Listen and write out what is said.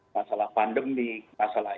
masalah pandemik masalah